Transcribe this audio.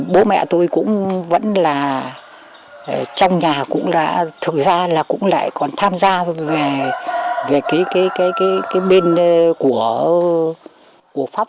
bố mẹ tôi cũng vẫn là trong nhà cũng đã thực ra là cũng lại còn tham gia về cái bên của pháp